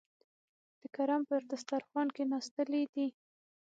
د کرم پر دسترخوان کېناستلي دي.